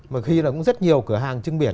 mà khi là cũng rất nhiều cửa hàng trưng biển